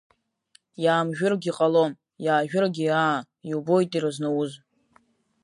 Иаамжәыргьы ҟалом, иаажәыргьы аа, иубоит ирызнауз…